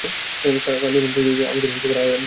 কাঠগুদাম পৌঁছিতে আমাদের আড়াই দিন লাগিয়াছিল।